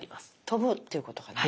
飛ぶっていうことかな？